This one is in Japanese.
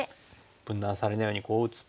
分断されないようにこう打つと。